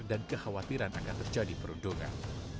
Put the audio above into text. dan kekhawatiran akan terjadi perundungan